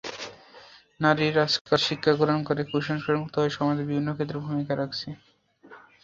নারীরা আজকাল শিক্ষা গ্রহণ করে কুসংস্কারমুক্ত হয়ে সমাজে বিভিন্ন ক্ষেত্রে ভূমিকা রাখছে।